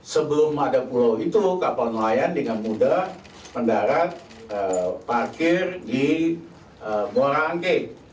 sebelum ada pulau itu kapal nelayan dengan mudah mendarat parkir di morangke